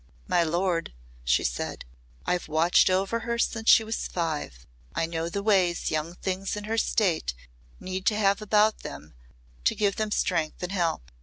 "My lord," she said, "I've watched over her since she was five. I know the ways young things in her state need to have about them to give them strength and help.